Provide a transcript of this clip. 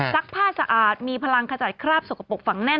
ผ้าสะอาดมีพลังขจัดคราบสกปรกฝังแน่น